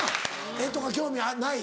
絵とか興味ない？